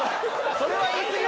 それは言い過ぎだろ！